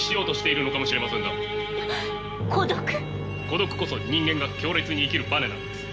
孤独こそ人間が強烈に生きるバネなのです。